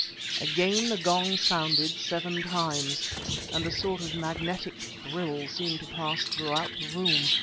Again the gong sounded seven times, and a sort of magnetic thrill seemed to pass throughout the room.